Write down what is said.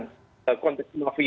dalam konteks mafia